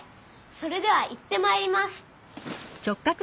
それでは行ってまいります。